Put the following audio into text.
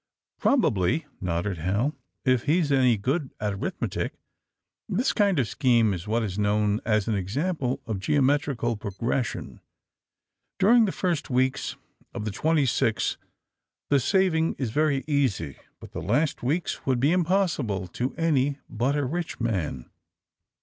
'' "Probably," nodded Hal, "if he's any good at arithmetic. This kind of scheme is what is known as an example in geometrical progres sion. During the first weeks of the twenty six the saving is very easy. But the last weeks would be impossible to any but a rich man.